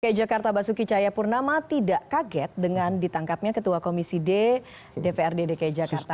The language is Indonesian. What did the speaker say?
dki jakarta basuki cahayapurnama tidak kaget dengan ditangkapnya ketua komisi d dprd dki jakarta